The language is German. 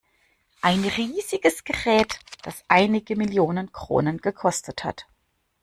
Ein riesiges Gerät, das einige Millionen Kronen gekostet hat.